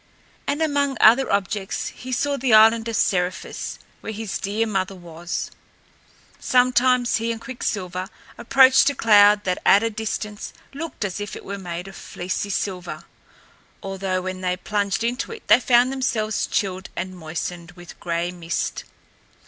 And among other objects he saw the island of Seriphus, where his dear mother was. Sometimes he and Quicksilver approached a cloud that at a distance looked as if it were made of fleecy silver, although when they plunged into it they found themselves chilled and moistened with gray mist.